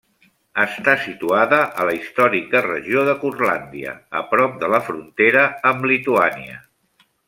Està situada a la històrica regió de Curlàndia, a prop de la frontera amb Lituània.